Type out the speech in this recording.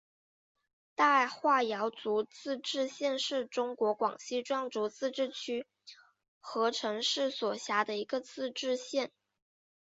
大化瑶族自治县是中国广西壮族自治区河池市所辖的一个自治县。